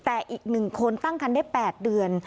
แต่อีก๑คนตั้งคันได้๘เดือน